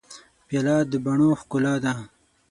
پیاله د بڼو ښکلا ده.